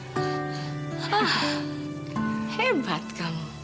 hah hebat kamu